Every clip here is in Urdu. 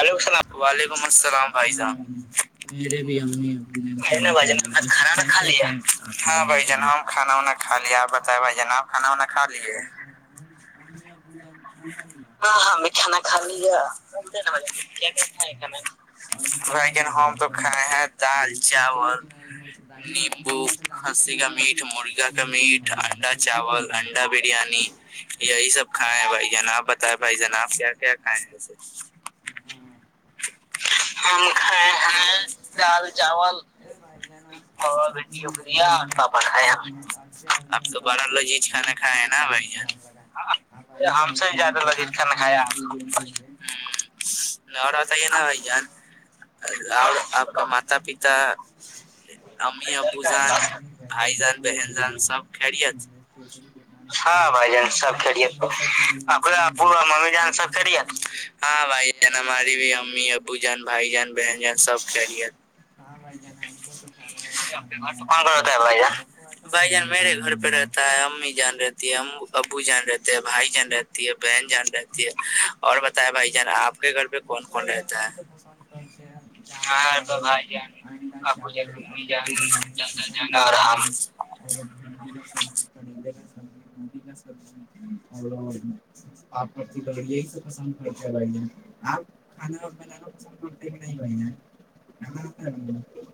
ل اللام وعلیکم السلامھھ میرے بھی ا اب جاناں بھائی ج کھانا وا کھا لیا آپ بت بھائی جان کھانا وا کھا لھ بھائی جن ہم تو کھائے ہیں دال چاول نیمبو کھسی کا میٹ مرغا کا میٹ انڈا چاول انڈا بریانی یہی سب کھائے ہیں بھائی جن آپ بتیں بھائی جان آپ کیا کیا کھائے ہیں وے ہم کھائے ہیں دال چاول اور شکریہ اب تو بڑا لذیذ کھانا کھائے ہیں نا بھ ہم سے بھی زیادہ لذیذ کھانا کھایا اور بت نا جان اور آپ کا ماتا پتا امی او جان بھائی جان بہن جان سب کھرییت ہاں بھائی جان سب کیت اپ او م جان سب کیت ہاں بھائی جان ہمارے بھی امی او جان بھائی جان بہن جان سب ہاں بھائی جان ہم کو تو کانا واا بھائی جان میرے گھر پہ رہتا ہے امی جان رہتی ہے ہم ابو جان رہتے ہیں بھائی جان رہتی ہے بہن جان رہتی ہے اور بت ہے بھائی جان ہم یہ تو پسند کرتے ہیں دال چاول انڈا چاول انڈا بریانی چکن بریانی اور بھنڈی کا سبزی کریلے کا سبزی موندنی کا سبزی اور پاپڑ تلوی یہی سب پسند کرتے ب آپ کھانا پا پندتے نہیں ب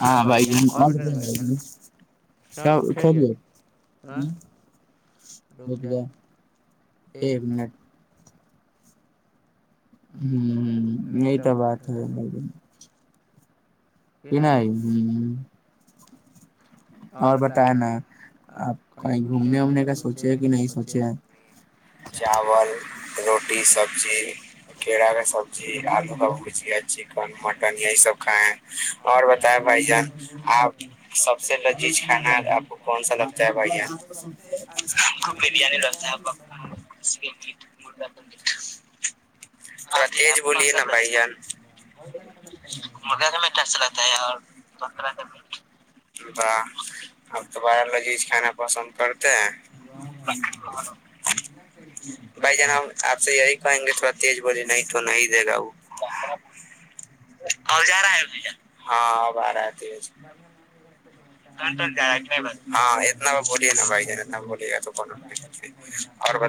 ہاں بھائی ب چلیے ہ بک ایک منٹ ہ ہ یہ تو بات ہے م پ نہیں ہ اور بتیا نا آپ کہیں گھومنے وومنے کا سوچے کہ نہیں سوچے چاول روٹی سبزی کیڑا کا سبزی آلو کا بھجیا چکن مٹن یہی سب کھائے اور بتایا بھائی جان آپ سب سے جی کانا آپ کو کون سا لگتا ہے بھ یہاں بریانی لتا ہے ا تج بولیے ناہ اچھا لگتا ہے باہر لوگ یہ کھانا پسند کرتے ہیں ب ج ہم آپ سے یہی کہیں گے تھوڑا تیز ب نہیں تو نہیں دے گا وہ ج رہا ہاں آ رہا ہاں اتنا بولیے نا بھائی جان اتنا بولیے گا تو اور ب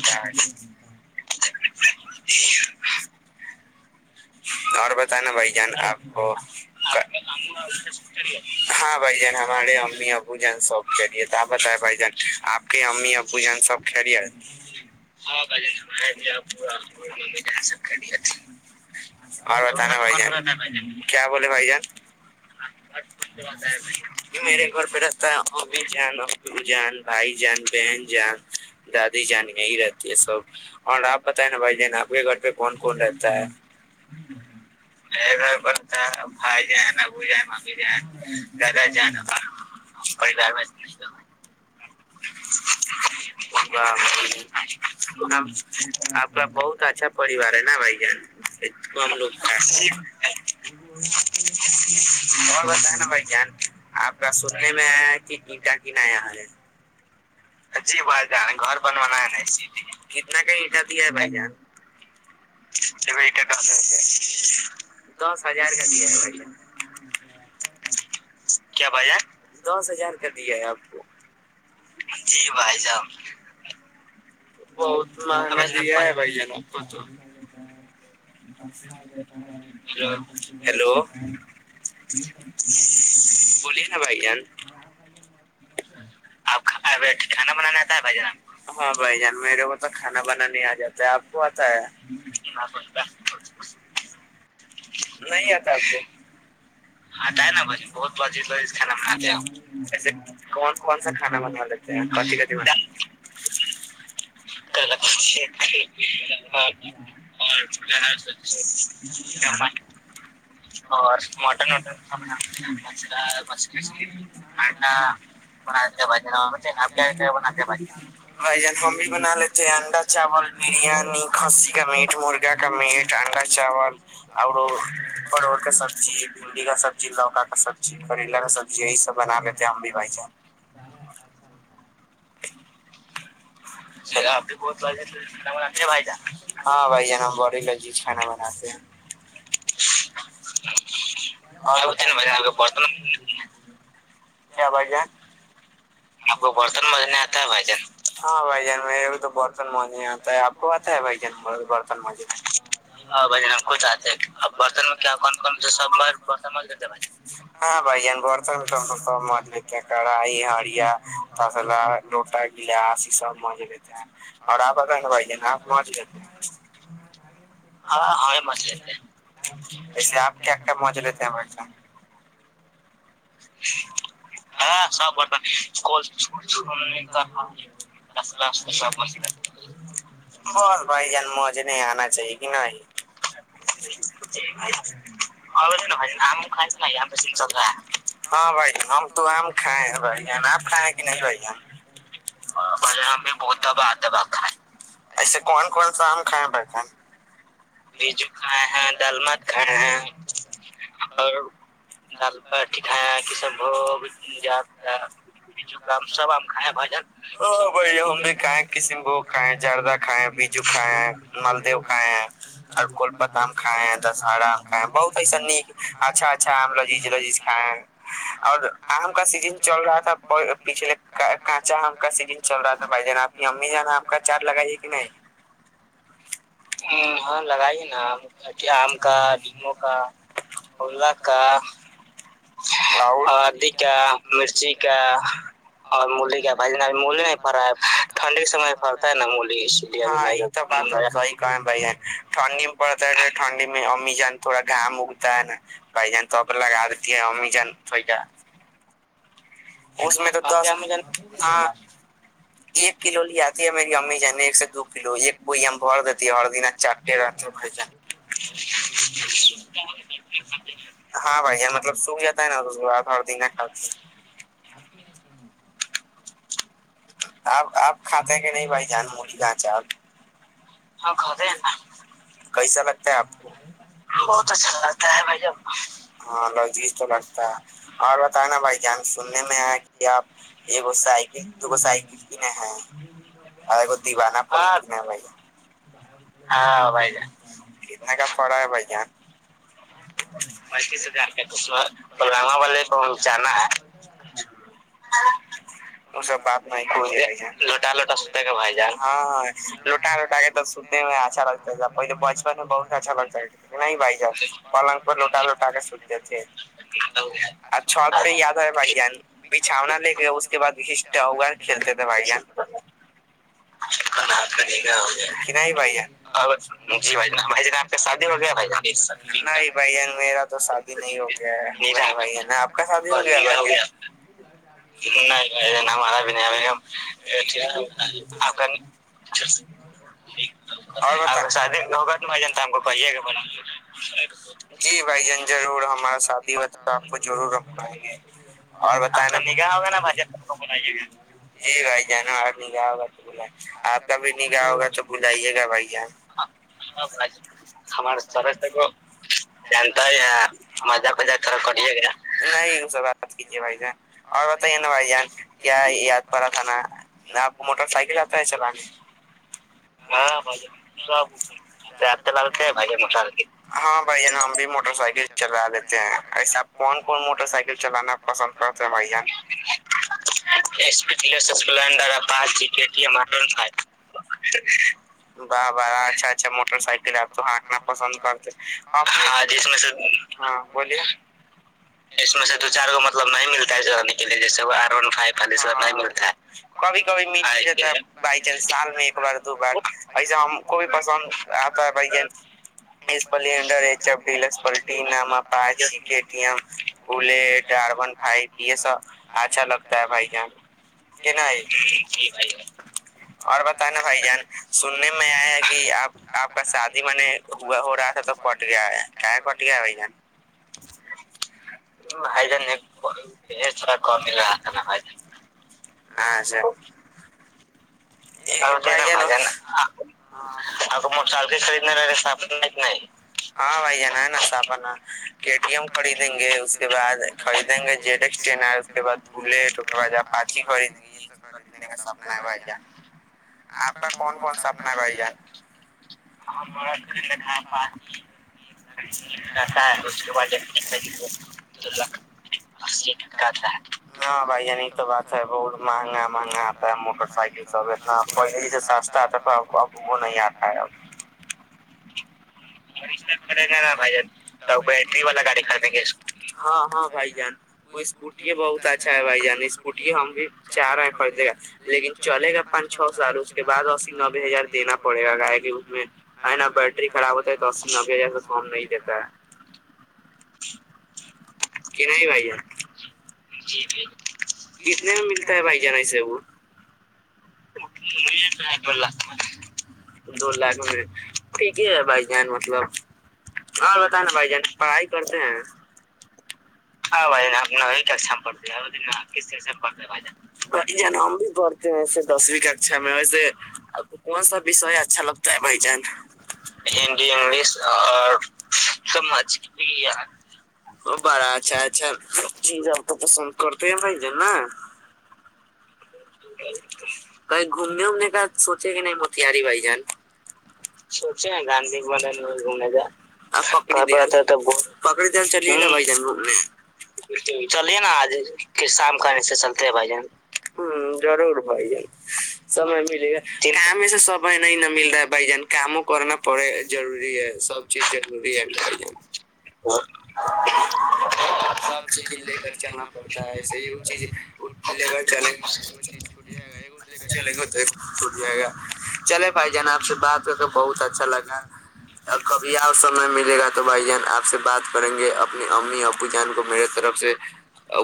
اور بت نا بھائی جان آپ کو ہاں بھائی جان ہمارے امی بوجن سب کلی تھا بت بھ جان آپ کی امی بوجن سب کلی بب اور بتانا بھائی جان کیا بولے بھائی جان کچ بد ہے میرے گھر پہ رہتا ہے ابھی جان ابو جان بھائی جان بہن جان دادی جان یہی رہتی ہے سب اور آپ بتیں نا بھائی جان آپ کے گھر پہ کون کون رہتا ہے میرے گھر پ رہتا ہے بھائی جان ابو جائب ج دادا جانو پریوار میں آپ کا بہت اچھا پوار ہے نا بائی جانم لوگ ب بتا ہے نا بائی جان آپ کا سننے میں آیا ہے کہ اٹا گنیا ہے جی بس جان گھر بنوانا نہیںتنا کا دیا ہے بھائی جانس ہزار کا کیا بازار دس ہزار کا دیا ہے آپ کو جی بھائی جان ب لیا ہے بھائی ج ہیلو بلیے نا بھائی جان ہچ پ کھانا بنانے آتا ہے بھان ہاں بھائی جان میرے کو تو کھانا بنانا آ جاتا ہے آپ کو آتا ہے نہیں آتا آپ کو آتا ہے ن بھ بہتھانا باتے کون کون سا کھا بن وال لے اور مٹنٹڈا ب بج [unintelligible] [inaudible] آپ کیا کیا بناتے بھ بھائی جان ہم بھی بنا لیتے اڈا چاول بریانی کسی کا میٹ مرغا کا میٹ اڈا چاول اور پروڑ کا سبزی بھنڈی کا سبزی لوکا کا سبزی کرلا کا سبزی یہی سب بنا لیتے ہم بھی بھائی جان بارہ اچھا [inaudible] بھ ہاں بھائی جان بیی کھانا بناتے ہیں اور بھر بھائی جان آپ کو برتن مجنے آتا ہے بھائی جان ہاں بھائی برتن آتا ہے آپ کو پتا ہے برتن برتن میں کواں بھ برتن کڑھائی ہڑیا ت لوٹا گلاس یہ سب اور آپ اھپ لیتےے آپ کیا م لیتے ہیں بھائی جان مج نہیں آنا چاہیے نہیں ہاں بھ ج نہیں ب بہتباد ایسے کون کون سا آم کھ بو کھائے ہیںال مت کھائے ہیں اور دال کھ سب کا سب آ ک بھجن بھ ہم بھی کھائے کشم بو کھائے جردہ کھائے ہیں بیجو کھائے ہیں ملدو کھائے ہیں اور کوول پتم کائے ہیں دسہرا آم کھائے بہت ایسا ن اچھا اچھا آم لذیذ لذیذ کھائے ہیں اور آم کا سیزن چل رہا تھا پچھلے کانچا آ سین چل رہا تھا بھائی جان آپ کی امی جان نا آپ کا چارٹ لگائیے کہ نہیں ہاں لگائیے نا آم کا لیو کا ا کا ہدی کا مرچی کا اور ملی کا بھ ج ملی نہیں پا ہے ٹھنڈی کے سم پتا ہے نا ملی اسے بھ ج ٹھنڈی میں پڑتا ہے ٹھنڈی میں امی تھوڑا گام اگتا ہے نا بھ جان تب لگا دیتی ہے امین اس میں تو اں ایک کلو ل آتی ہے میری امی ج ایک سے دو کلو کو بھر دیتی ہے ہ د ہاں بھ ملب س جات ہے نا د کھات آپ آپ کھاتے کہ نہیں بھائی جان م گپھ کیسا لگتا ہے آپ کو بچھاگتا ہاں لیذ تو لگتا ہے اور بت نا بھائی جان سننے میں ہے کہ آپ یہ آ اتنا کم پڑا ہےاما والے جانا ہے سبات لھ ہاںاں لٹا لٹا کے تو سنے میں اچھا لگتا تھا پہلے بچپن میں بہت اچھا لگتا نہیں بھائی جان پلنگ پر لوٹا لٹا کے ستے تھے چھت پ یاد بھائی جان بچھؤنا لے کے اس کے بعد ا کھیلتے تھے بھائی بھ آپ کا شادی ہو گیا نہیں بھ میرا تو شادی نہیں ہو گیا بھ آپ کا شادی ہو گیا ا ہوگا بھائی ج کویے گا جی بھائی جان ضرور ہمارا شادی ہوتا آپ کو ضرور ہمیں گے اور بت نا نگاہ ہوگا نا بھائی جان گا ج بھائی جان گا ہوگا تو ب آپ کا بھی نہیں گا ہوگا تو بلائیے گا بھائی جان ہمارے سر کو جانتا ہے مز پ کرے گا نہیں اس بات کیجیے بھائی جان اور بتائیے نا بھائی جان کیا یاد پا تھا نا آپ کو موٹر سائیکل آتا ہے چلانےاں بھھل ہاں بھ ج ہم بھی موٹر سائیکل چلا لیتے ہیں ایسے آپ کون کون موٹر سائیکل چلانا پسند کرتے ہیں بھ جان اسپلینڈر اچھا اچھا موٹر سائیکل آپ کو ہکنا پسند کرتے ج میں سے بلیے اس میں سے دو چار کو مطلب نہیں ملتا ہے جنے کے لیے جیسے کھی کبھی م سال میں ایک بار دو بار ایسا ہم کو پسند آتا ا ف یہ سبچھاگتا بھائی جان نھ اور بت نا بھائی جان سننے میں آیا کہ آب آپ کا شادی میں ہو رہا تھا تو کٹ گیا کیا کٹ گیا ہے بھائی جان بھائی جان ہاں سر مل خرید ہاں بھائی جان ہے نا م خریدیں گے اس کے بع خریدیں گے ج اس کے بع بولےٹکے با پچ خرید خریدنے کا سپنا ہے با آپ کا کون کون سا اپنا بھائیان ہماھتا ہے اس کے بعدب دو لاکھ اسی آتا ہے ہاں بھ یہ نہیں تو بات ہے بہت مہنگا مہنگا آتا ہے موٹر سائیکل سب اتنا پہل ہی سے سستاتا تو ا اب وہ نہیں آتا ہے اب گے گا نا بھائی جان کوٹری والاڑی خریدیں گے ہاں ہاں بھائی جان وہ اسکوٹی بہت اچھا ہے بھائی جان اسکوٹی ہم بھی چاہ رہے ہیں خریدے گا لیکن چلے گا چھ سال اس کے بع نے ہزار دینا پڑے گا گا کہ اس میں ہے نا بیٹری خراب ہوتا دس ن بجے سے سون نہیں دیتا ہے کہ نہیں بھائی ج کتنے میں ملتا ہے بھائی جان ایے وہ دو لاکھ دو لاکھ م ٹھیک ہی ہے بھائی جان مطلب اور بتانا بھائی جان پڑھائی کرتے ہیں ہاں بائدپ ن کیسم پتےک سے پتے با بتے دسویں ککشا میں وس آپ کو کون سا اچھا لگتا ہے بھ جان ہندی انگلش اور سمج [unintelligible] بڑا اچھا اچھا چیز آپ کو پسند کرتے ہیں بھائی جان ن [unintelligible] [unintelligible] کہیں گھومنے وومنے کا سوچے کہ نہیں موتیاری بھائی جان سوچے نا گاند مدن میں گھومنے کا پکڑی چلیے نا بھ جوم چلیے نا آج شام کانے سے چلتے ہیں بھائی جان ضور [unintelligible] ب ج گ [unintelligible] سم ملے گا کام میں سے سم نہیں ن مل رہا ہے بھائی جان کاموں کرنا پڑے ضروری ہے سب چیز ضروری ہے بھائی جان سب چیز لے کر چلنا پڑتا ہے ایسے یہ چیز لے کر چل [unintelligible] یہ ہے [unintelligible] ے گٹ جائے گا چلے بھائی جان آپ سے بات کر کے بہت اچھا لگا کبھی آ سمے ملے گا تو بھائی جان آپ سے بات کریں گے اپنی امی اپو جان کو میرے طرف سے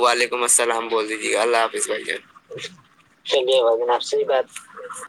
وعلیکم السلام بول دیجیے گا اللہ حافظ بھائی جان [unintelligible] چلیے ہو بے [unintelligible] س سی بات [unintelligible]